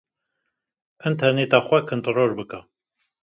Înterneta xwe kontrol bike.